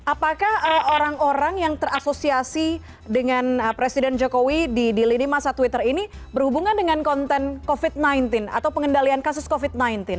jadi ada beberapa orang yang terasosiasi dengan presiden jokowi di lini masa twitter ini berhubungan dengan konten covid sembilan belas atau pengendalian kasus covid sembilan belas